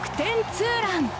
ツーラン。